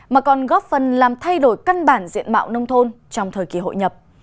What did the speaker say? mà còn góp phần làm thay đổi căn bản diện mạo nông thôn trong thời kỳ hội nhập